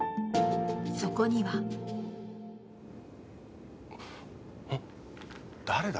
そこには誰だ？